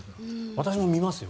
私も見ますよ。